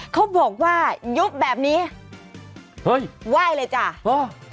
เขาบอกว่ายุบแบบนี้เฮ้ยไหว้เลยจ้ะเออ